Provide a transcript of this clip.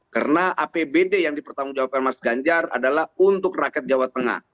karena apbd yang dipertanggungjawabkan mas ganjar adalah untuk rakyat jawa tengah